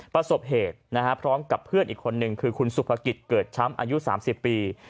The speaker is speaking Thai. ประสบเหตุพร้อมกับเพื่อนอีกคนนึงคือคุณสุภกิจเกิดช้ำอายุ๓๐ปี